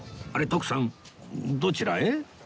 徳さんどちらへ？